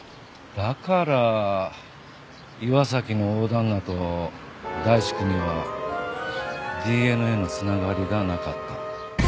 だから岩崎の大旦那と大地くんにはＤＮＡの繋がりがなかった。